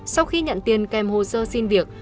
sau khi nhận tiền kèm hồ sơ xin việc